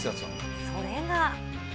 それが。